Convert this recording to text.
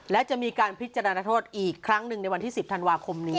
และจะมีการพิจารณาโทษอีกครั้งหนึ่งในวันที่๑๐ธันวาคมนี้